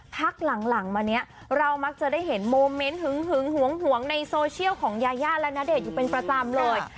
พักหลังมาเนี่ยเรามักจะได้เห็นโมเมนต์หึงหวงในโซเชียลของยายาและณเดชน์อยู่เป็นประจำเลย